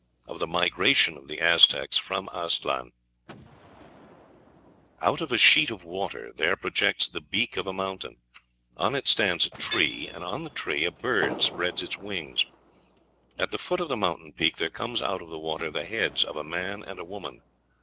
of the migration of the Aztecs from Aztlan: "Out of a sheet of water there projects the peak of a mountain; on it stands a tree, and on the tree a bird spreads its wings. At the foot of the mountain peak there comes out of the water the heads of a man and a woman.